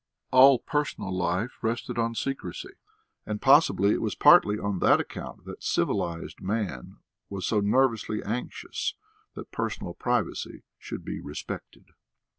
All personal life rested on secrecy, and possibly it was partly on that account that civilised man was so nervously anxious that personal privacy should be respected.